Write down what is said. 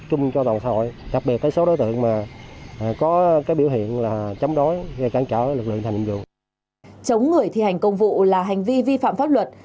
chống người thi hành công vụ là hành vi vi phạm pháp luật